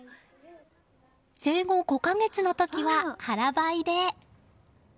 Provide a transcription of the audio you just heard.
生後５か月の時は腹ばいで。